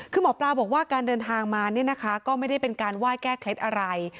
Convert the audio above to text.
คือหมอปลาบอกว่าการเดินทางมาเนี่ยนะคะก็ไม่ได้เป็นการไหว้แก้เคล็ดอะไร